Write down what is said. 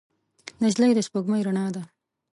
نجلۍ د سپوږمۍ رڼا ده.